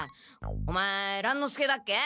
お前乱之助だっけ？